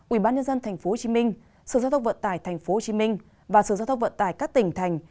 ubnd tp hcm sở giao thông vận tài tp hcm và sở giao thông vận tài các tỉnh thành